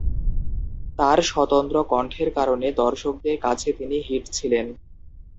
তার স্বতন্ত্র কণ্ঠের কারণে দর্শকদের কাছে তিনি হিট ছিলেন।